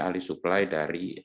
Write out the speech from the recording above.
alih supply dari